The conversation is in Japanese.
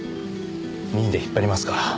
任意で引っ張りますか？